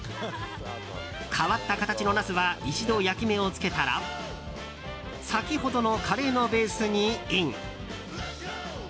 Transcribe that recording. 変わった形のナスは一度焼き目をつけたら先ほどのカレーのベースにイン。